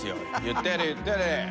言ってやれ言ってやれ。